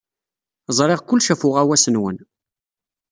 Ẓriɣ kullec ɣef uɣawas-nwen.